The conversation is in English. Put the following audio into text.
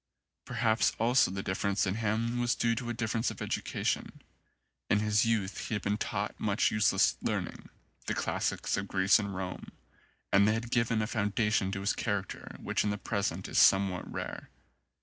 Perhaps also the difference in him was due to a difference of education. In his youth he had been taught much useless learning, the classics of Greece and Rome, and they had given a founda tion to his character which in the present is some what rare.